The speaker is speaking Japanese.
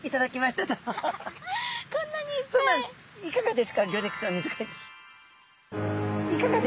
いかがですか？